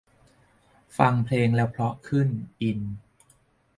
ฟังเพลงแล้วเพราะขึ้น อิน